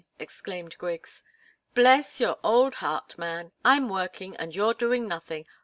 exclaimed Griggs. "Bless your old heart, man I'm working, and you're doing nothing.